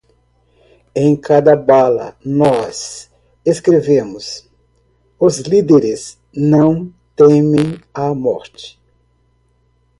Em cada bala nós escrevemos: os líderes não temem a morte